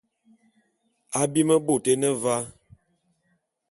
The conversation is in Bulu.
Abim bôt é ne va.